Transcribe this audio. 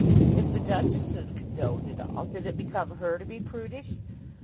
If the duchesses condoned it all, did it become her to be prudish?